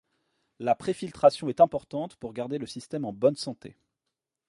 La préfiltration est importante pour garder le système en bonne santé.